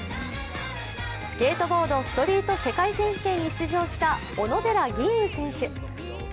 スケートボード・ストリート世界選手権に出場した小野寺吟雲選手。